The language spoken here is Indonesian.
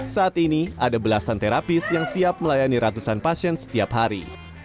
saat ini ada belasan terapis yang siap melayani ratusan pasien setiap hari